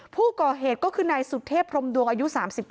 ผู้ก่อเหตุก็คือนายสุเทพพรมดวงอายุ๓๙